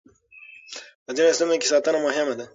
په ځينو سيمو کې ساتنه مهمه ده.